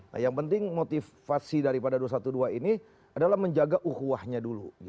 nah yang penting motivasi daripada dua ratus dua belas ini adalah menjaga uhuahnya dulu